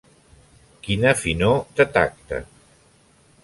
Quina finor de tacte!